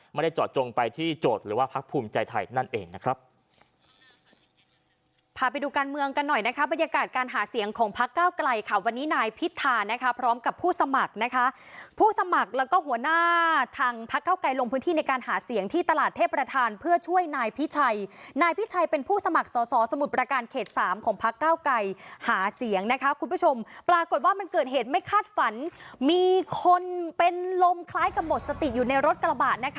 ไม่ได้เจาะจงไปที่โจทย์หรือว่าพักภูมิใจไทยนั่นเองนะครับ